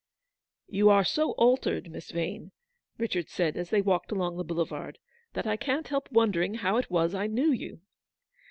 "You are so altered, Miss Vane," Richard said, as they walked along the boulevard, " that I can't help wondering how it was I knew you."